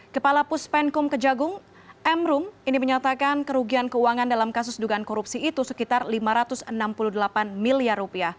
kepala puspenkum kejagung emrum ini menyatakan kerugian keuangan dalam kasus dugaan korupsi itu sekitar rp lima ratus enam puluh delapan miliar